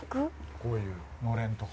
こういうのれんとか。